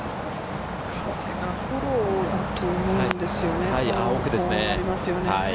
風がフォローだと思うん奥ですね。